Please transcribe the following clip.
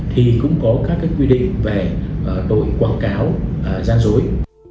thì cũng có các quy định về tội quảng cáo gian dối